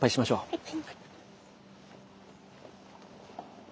はい。